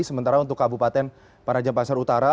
sementara untuk kabupaten penajam pasar utara